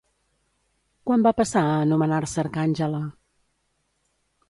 Quan va passar a anomenar-se Arcàngela?